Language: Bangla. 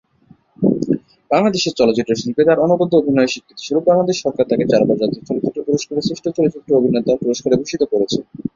বাংলাদেশের চলচ্চিত্র শিল্পে তার অনবদ্য অভিনয়ের স্বীকৃতিস্বরূপ বাংলাদেশ সরকার তাকে চারবার জাতীয় চলচ্চিত্র পুরস্কারের শ্রেষ্ঠ চলচ্চিত্র অভিনেতার পুরস্কারে ভূষিত করেছে।